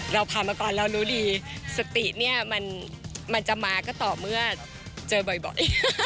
เราผ่านมาก่อนเรารู้ดีสติเนี่ยมันจะมาก็ต่อเมื่อเจอบ่อย